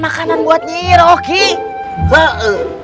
siapapun yang tidak patuh kepada aku